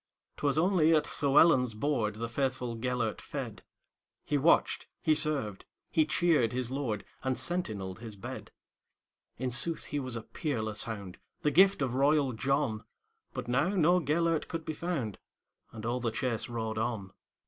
'T was only at Llewelyn's boardThe faithful Gêlert fed; He watched, he served, he cheered his lord, And sentineled his bed.In sooth he was a peerless hound, The gift of royal John; But now no Gêlert could be found, And all the chase rode on.